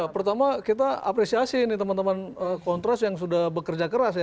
pertama kita apresiasi ini teman teman kontras yang sudah bekerja keras ya